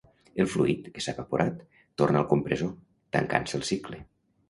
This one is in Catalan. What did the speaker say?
El fluid, que s'ha evaporat, torna al compressor, tancant-se el cicle.